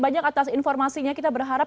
banyak atas informasinya kita berharap